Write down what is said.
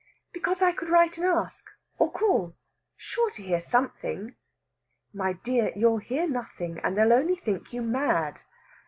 "Because I could write and ask, or call. Sure to hear something." "My dear, you'll hear nothing, and they'll only think you mad."